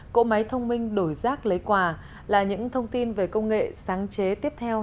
cổ máy thông minh đổi rác lấy quả là những thông tin về công nghệ sáng chế tiếp theo